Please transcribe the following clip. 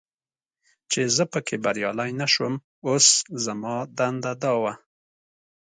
چې زه پکې بریالی نه شوم، اوس زما دنده دا وه.